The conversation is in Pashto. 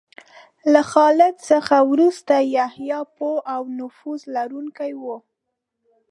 له خالد څخه وروسته یحیی پوه او نفوذ لرونکی و.